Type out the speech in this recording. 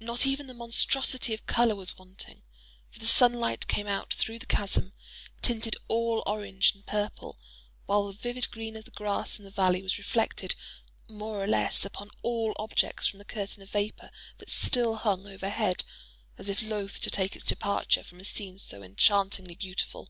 Not even the monstrosity of color was wanting; for the sunlight came out through the chasm, tinted all orange and purple; while the vivid green of the grass in the valley was reflected more or less upon all objects from the curtain of vapor that still hung overhead, as if loth to take its total departure from a scene so enchantingly beautiful.